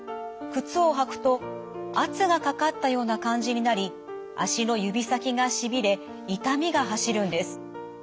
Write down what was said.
靴を履くと圧がかかったような感じになり足の指先がしびれ痛みが走るんです。